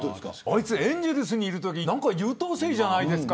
エンゼルスにいるときは優等生じゃないですか。